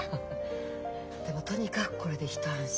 でもとにかくこれで一安心。